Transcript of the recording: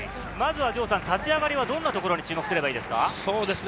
まずは立ち上がり、どんなところに注目すればいいですか？